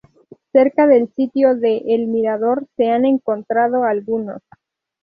Cerca del sitio de El Mirador se han encontrado algunos.